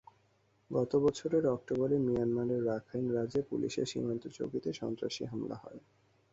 গত বছরের অক্টোবরে মিয়ানমারের রাখাইন রাজ্যে পুলিশের সীমান্তচৌকিতে সন্ত্রাসী হামলা হয়।